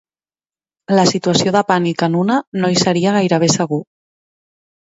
La situació de pànic en una no hi seria gairebé segur.